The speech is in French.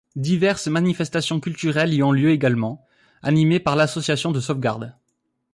Diverses manifestations culturelles y ont lieu également, animées par l'association de sauvegarde.